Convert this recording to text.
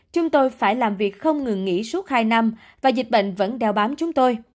chúng tôi phải làm việc không ngừng nghỉ suốt hai năm và dịch bệnh vẫn đeo bám chúng tôi